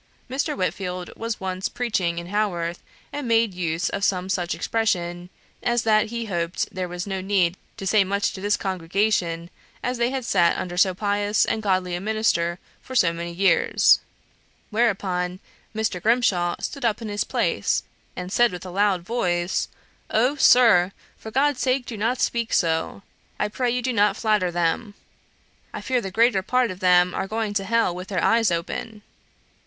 Mr. Whitfield was once preaching in Haworth, and made use of some such expression, as that he hoped there was no need to say much to this congregation, as they had sat under so pious and godly a minister for so many years; "whereupon Mr. Grimshaw stood up in his place, and said with a loud voice, 'Oh, sir! for God's sake do not speak so. I pray you do not flatter them. I fear the greater part of them are going to hell with their eyes open.'"